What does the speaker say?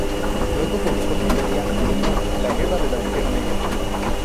Luego publicó su teoría en su libro, "La guerra de agujero negro".